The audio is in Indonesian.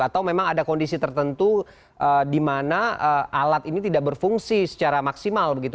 atau memang ada kondisi tertentu di mana alat ini tidak berfungsi secara maksimal begitu